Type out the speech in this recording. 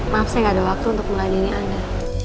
maaf saya gak ada waktu untuk mulai dini anda